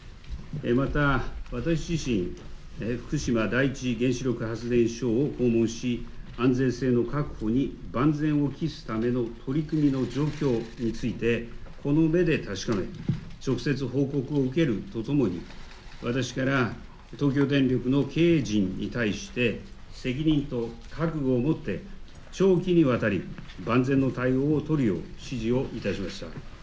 また私自身、福島第一原子力発電所を訪問し安全性の確保に万全を期すための取り組みの状況についてこの目で確かめて直接報告を受けるとともに、私から東京電力の経営陣に対して責任と覚悟を持って長期にわたり万全の対応を取るよう指示をいたしました。